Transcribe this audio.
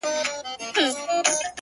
• او په تصوير كي مي؛